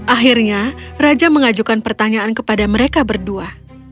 akhirnya raja mengajukan pertanyaan kepada mereka berdua